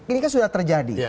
ini kan sudah terjadi